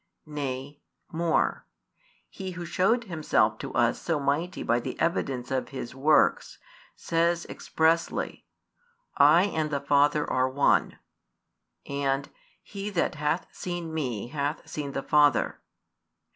Nay, more, He Who shewed Himself to us so mighty by the evidence of His works, says expressly: I and the Father are One, and: He that hath seen Me hath seen the Father.